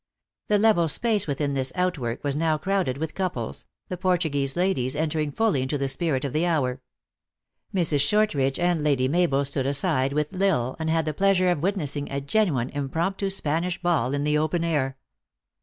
The level space within this outwork was now crowd ed with couples, the Portuguese ladies entering fully into the spirit of the hour. Mrs. Shortridge and Lady Mabel stood aside, with L Isle, and had the pleasure of witnessing a genuine impromptu Spanish ball in the open air.